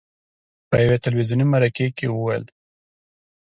په یوې تلویزوني مرکې کې وویل: